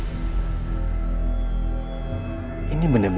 sok kerasa nikmat yang tersisa